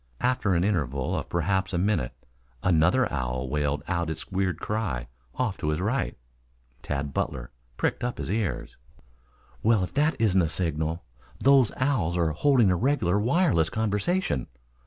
After an interval of perhaps a minute another owl wailed out its weird cry off to his right. Tad Butler pricked up his ears. "Well, if it isn't a signal, those owls are holding a regular wireless conversation.